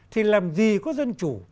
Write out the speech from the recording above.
thì làm gì có dân chủ